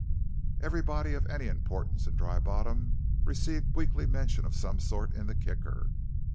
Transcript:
Everybody of any importance in Dry Bottom received weekly mention of some sort in the Kicker.